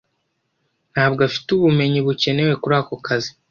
ntabwo afite ubumenyi bukenewe kuri ako kazi